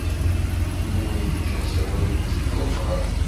Yuba yeǧǧa asawal-nnes deg uxxam.